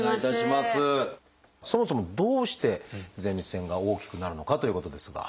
そもそもどうして前立腺が大きくなるのかということですが。